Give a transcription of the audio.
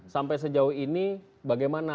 sampai sejauh ini bagaimana